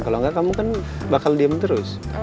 kalo engga kamu kan bakal diem terus